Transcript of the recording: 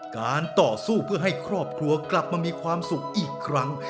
การต่อสู้เพื่อให้ครอบครัวกลับมามีความสุขอีกครั้ง